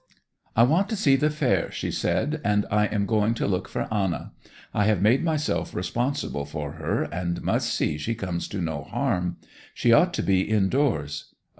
'I want to see the fair,' she said; 'and I am going to look for Anna. I have made myself responsible for her, and must see she comes to no harm. She ought to be indoors.